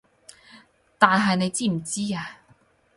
但係你知唔知啊